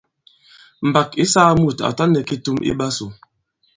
Mbàk ǐ saa mùt à ta nɛ kitum i ɓasū.